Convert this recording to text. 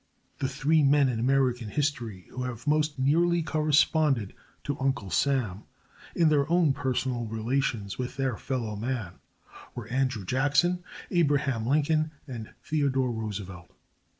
The three men in American history who have most nearly corresponded to Uncle Sam in their own personal relations with their fellow men were Andrew Jackson, Abraham Lincoln and Theodore Roosevelt.